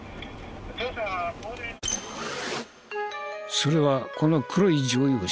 それはこの黒い乗用車。